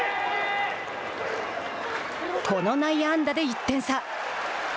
この内野安打で１点差。